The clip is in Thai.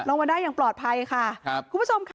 ลงมาได้อย่างปลอดภัยค่ะครับคุณผู้ชมค่ะ